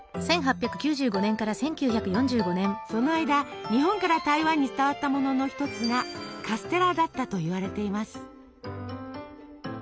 その間日本から台湾に伝わったものの一つが「カステラ」だったといわれています。